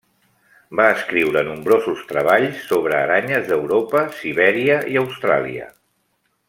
Va escriure nombrosos treballs sobre aranyes d'Europa, Sibèria i Austràlia.